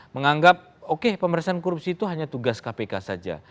menganggap oke pemeriksaan korupsi itu hanya tugas kpk saja